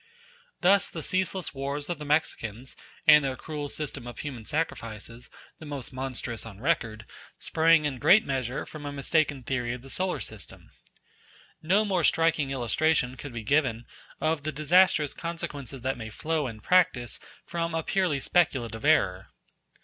Thus the ceaseless wars of the Mexicans and their cruel system of human sacrifices, the most monstrous on record, sprang in great measure from a mistaken theory of the solar system. No more striking illustration could be given of the disastrous consequences that may flow in practice from a purely speculative error.